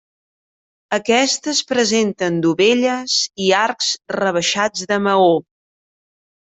Aquestes presenten dovelles i arcs rebaixats de maó.